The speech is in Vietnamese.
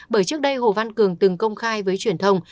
bởi trước đây hồ văn cường từng công khai với truyền thông